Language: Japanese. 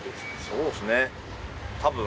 そうですね多分。